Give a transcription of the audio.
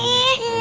iya bener banget